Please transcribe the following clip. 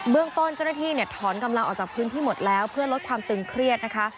เรื่องต้นเจ้าหน้าที่เนี่ยถอนกำลังออกจากพื้นที่หมดแล้วเพื่อลดความตึงเครียดนะคะ